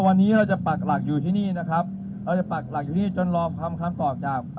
วันนี้เราจะปักหลักอยู่ที่นี่นะครับเราจะปักหลักอยู่นี่จนรอคำตอบจาก